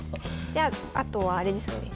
じゃああとはあれですよね。